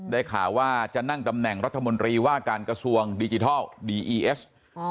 ข่าวว่าจะนั่งตำแหน่งรัฐมนตรีว่าการกระทรวงดิจิทัลดีอีเอส